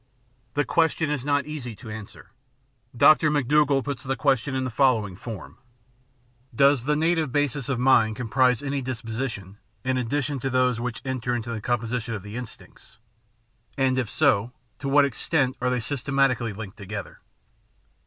The question is not easy to answer. Dr. McDougall puts the question in the following form: Does the native basis of mind comprise any disposi tion, in addition to those which enter into the composition of the instincts ; and if so, to what extent are they systematically linked together?